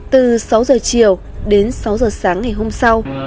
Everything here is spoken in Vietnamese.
từ sáu giờ chiều đến sáu giờ sáng ngày hôm sau